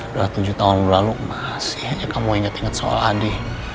udah tujuh tahun lalu masih aja kamu inget inget soal adi